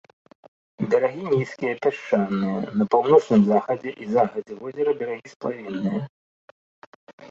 Берагі нізкія, пясчаныя, на паўночным захадзе і захадзе возера берагі сплавінныя.